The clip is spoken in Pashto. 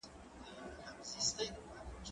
زه پرون ښوونځی ته ځم وم!.